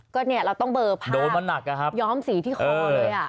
ก็เนี่ยเราต้องเบอร์ผ่านโดนมาหนักอะครับย้อมสีที่คอเลยอ่ะ